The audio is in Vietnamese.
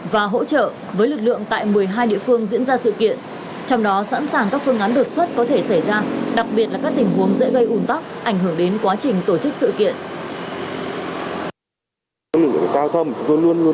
và không chỉ đấy thì tôi còn có gặp ngoài rồi thật khá là nhiều khi mà đi ngoài đường